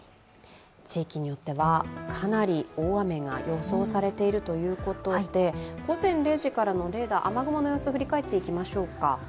地域によっては、かなり大雨が予想されているということで午前０時からのレーダー、雨雲の様子、振り返っていきましょうか。